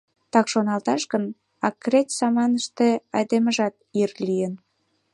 Так шоналташ гын, акрет саманыште айдемыжат ир лийын.